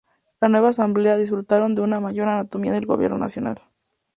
La nueva Asamblea disfrutaron de una mayor autonomía del gobierno nacional.